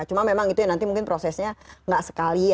cuma memang itu nanti prosesnya tidak sekali